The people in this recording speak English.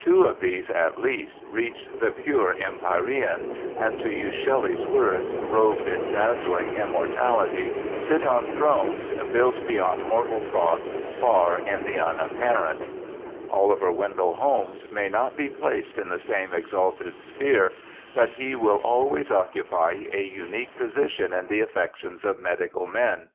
Two of these, at least, reached the pure empyrean, and to use Shelley's words, robed in dazzling immortality, sit on thrones built beyond mortal thought. Far in the Unapparent. Oliver Wendell Holmes may not be placed in the same exalted sphere, but he will always occupy a unique position in the affections of medical men.